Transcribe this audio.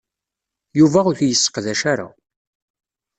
Yuba ur t-yesseqdac ara.